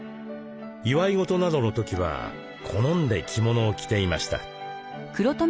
祝い事などの時は好んで着物を着ていました。